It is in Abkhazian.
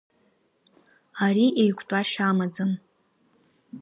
Ари еиқәтәашьа амаӡам.